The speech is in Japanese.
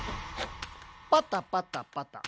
パタパタパタ。